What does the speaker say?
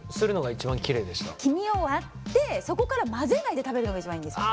黄身を割ってそこから混ぜないで食べるのが一番いいんですよ。